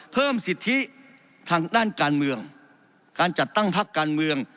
เพิ่มสิทธิทางด้านการเมืองการจัดตั้งพักการเมือง